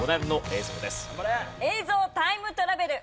映像タイムトラベル！